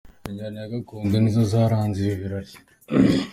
Injyana Gakondo ni zo zaranze ibi birori.